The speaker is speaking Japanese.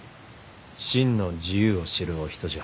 真の自由を知るお人じゃ。